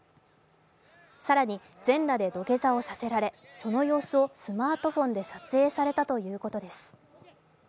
更に全裸で土下座をさせられ、その様子をスマートフォンで撮影されたということです。